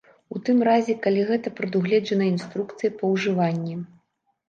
У тым разе, калі гэта прадугледжана інструкцыяй па ўжыванні.